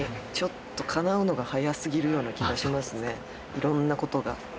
いろんなことが。